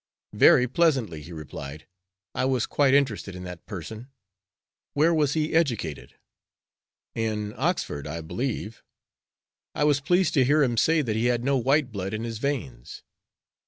"Very pleasantly," he replied. "I was quite interested in that parson. Where was he educated?" "In Oxford, I believe. I was pleased to hear him say that he had no white blood in his veins."